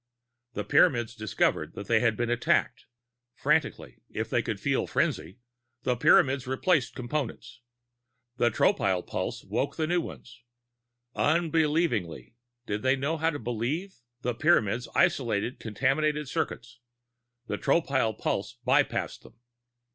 The Pyramids discovered that they had been attacked. Frantically (if they felt frenzy), the Pyramids replaced Components; the Tropile pulse woke the new ones. Unbelievingly (did they know how to "believe"?), the Pyramids isolated contaminated circuits; the Tropile pulse bypassed them.